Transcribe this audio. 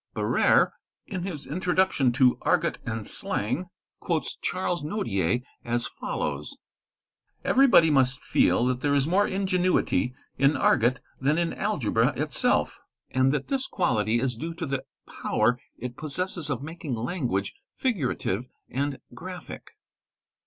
'') f Barrére in his introduction to " Argot & Slang" quotes Charles Nodier as follows: "' Everybody must: feel that there is more ingenuity im argot than in algebra itself, and that this quality is due to the power if possesses of making language figurative and graphic.